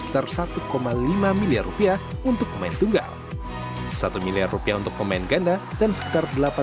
besar satu lima miliar rupiah untuk pemain tunggal satu miliar rupiah untuk pemain ganda dan sekitar